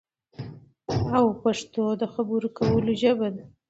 او پښتو د خبرو کولو ژبه شي